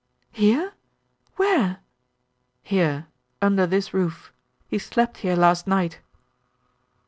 "Here? Where? "Here. Under this roof. He slept here last night."